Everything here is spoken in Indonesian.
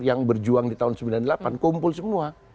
yang berjuang di tahun sembilan puluh delapan kumpul semua